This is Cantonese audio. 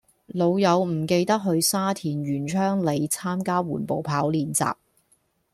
老友唔記得去沙田源昌里參加緩步跑練習